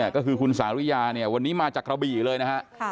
ก็คือคุณสาริยาเนี่ยวันนี้มาจากกระบี่เลยนะฮะ